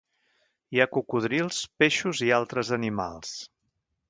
Hi ha cocodrils, peixos i altres animals.